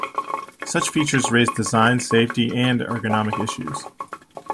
Such features raise design, safety, and ergonomic issues.